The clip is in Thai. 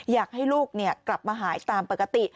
อยากให้ลูกกลับมาหายตามปกติ